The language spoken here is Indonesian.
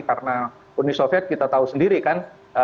karena uni soviet kita tahu sendiri kan